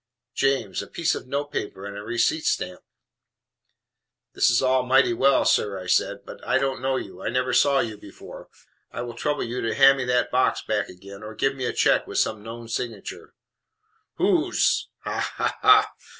"James, a piece of note paper and a receipt stamp!" "This is all mighty well, sir," I said, "but I don't know you; I never saw you before. I will trouble you to hand me that box back again, or give me a check with some known signature." "Whose? Ha, Ha, HA!"